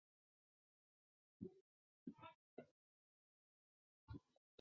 战斗单位的雇用。